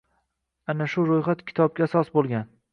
Ana shu ro‘yxat kitobga asos bo‘lgan